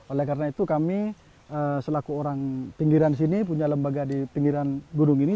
oleh karena itu kami selaku orang pinggiran sini punya lembaga di pinggiran gunung ini